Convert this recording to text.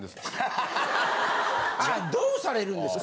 ああどうされるんですか。